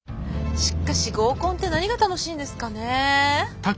しかし合コンって何が楽しいんですかね。